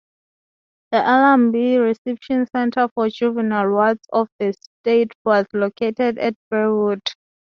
The Allambie Reception Centre for juvenile wards of the state was located at Burwood.